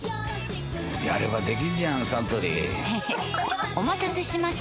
やればできんじゃんサントリーへへっお待たせしました！